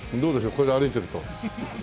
これで歩いてると。